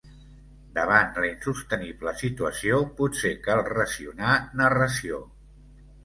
Davant la insostenible situació, potser cal racionar narració.